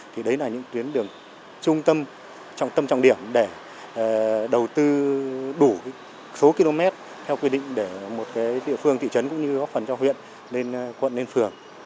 thì đấy là những tuyến đường trung tâm trọng tâm trọng điểm để đầu tư đủ số km theo quy định để một địa phương thị trấn cũng như góp phần cho huyện lên quận lên phường